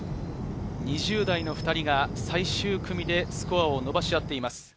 ２０代の２人が最終組でスコアを伸ばし合っています。